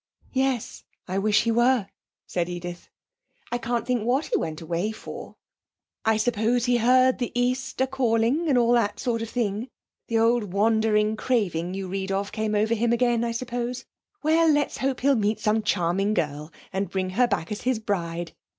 'Yes, I wish he were,' said Edith. 'I can't think what he went away for. I suppose he heard the East a calling, and all that sort of thing. The old wandering craving you read of came over him again, I suppose. Well, let's hope he'll meet some charming girl and bring her back as his bride.